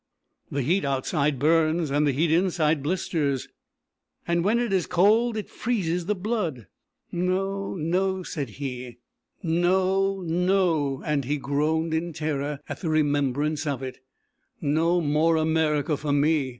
The heat outside burns and the heat inside blisters, and when it is cold it freezes the blood. No, no," and he groaned in terror at the remembrance of it; "no more America for me.